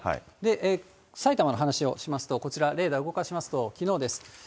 埼玉の話をしますと、こちら、レーダー動かしますと、きのうです。